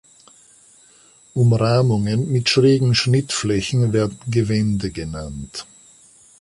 Umrahmungen mit schrägen Schnittflächen werden Gewände genannt.